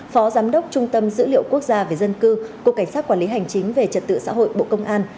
phó giám đốc trung tâm dữ liệu quốc gia về dân cư cục cảnh sát quản lý hành chính về trật tự xã hội bộ công an